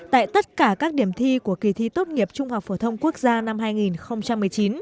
tại tất cả các điểm thi của kỳ thi tốt nghiệp trung học phổ thông quốc gia năm hai nghìn một mươi chín